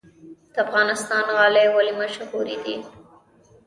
د افغانستان غالۍ ولې مشهورې دي؟